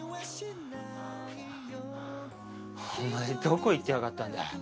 お前どこ行ってやがったんだよ。